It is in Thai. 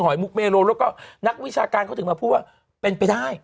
มุกเมโลแล้วก็นักวิชาการเขาถึงมาพูดว่าเป็นไปได้